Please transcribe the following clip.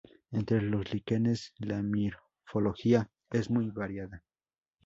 Entre los líquenes la morfología es muy variada.